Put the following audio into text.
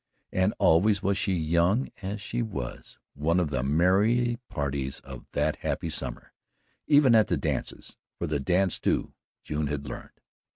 And always was she, young as she was, one of the merry parties of that happy summer even at the dances, for the dance, too, June had learned.